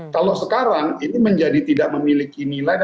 kalau sekarang ini menjadi tidak memiliki nilai